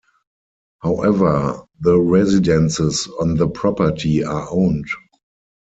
However, the residences on the property are owned.